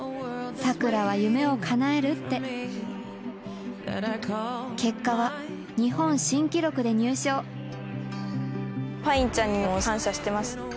さくらは夢をかなえるって結果はパインちゃんにも感謝してます。